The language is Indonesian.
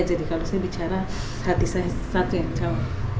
jadi kalau saya bicara hati saya satu yang menjawab